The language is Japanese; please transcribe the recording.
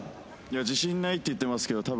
自信ないって言ってますけど多分。